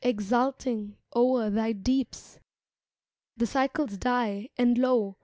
Exulting o'er thy deeps. The cycles die, and lo!